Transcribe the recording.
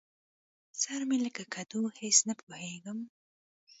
سر مې لکه کدو؛ هېڅ نه پوهېږم.